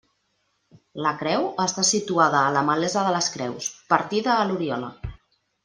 La creu està situada a la malesa de les creus, partida a l'Oriola.